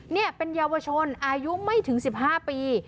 นี่เป็นเยาวชนอายุไม่ถึง๑๕ปี